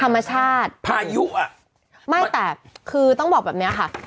ไม่แต่คือต้องบอกแบบนี้ค่ะ